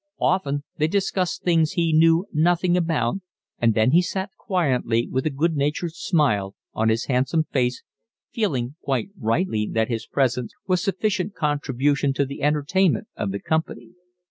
Often they discussed things he knew nothing about, and then he sat quietly, with a good natured smile on his handsome face, feeling quite rightly that his presence was sufficient contribution to the entertainment of the company.